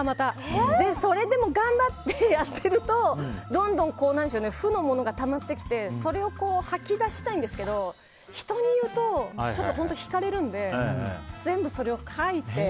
それでも頑張ってやっているとどんどん負のものがたまってきてそれを吐き出したいんですけど人に言うと引かれるので全部それを書いて。